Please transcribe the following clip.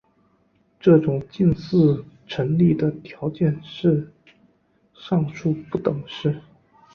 这近似成立的条件是上述不等式。